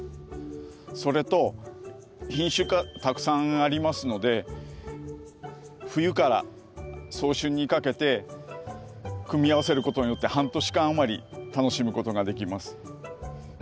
それと品種がたくさんありますので冬から早春にかけて組み合わせることによって半年間余り楽しむことができます。